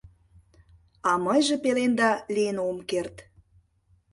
— А мыйже пеленда лийын ом керт.